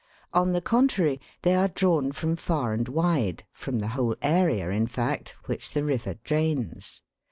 On the contrary, they are drawn from far and wide, from the whole area, in fact, which the river drains.